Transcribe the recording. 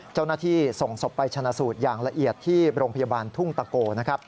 เจ้าหน้าที่ส่งศพไปชนะสูตรอย่างละเอียดที่โรงพยาบาลทุ่งตะโกนะครับ